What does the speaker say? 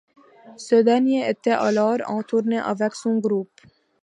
Ce dernier était alors en tournée avec son groupe.